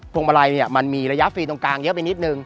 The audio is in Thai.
พรุ่งมาลัยมีระยะฟรีตรงกลางเยอะไปนิดนึง